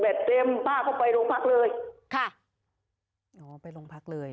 พอเบ็ดเต็มป้าก็ไปลงพักเลยค่ะไปลงพักเลย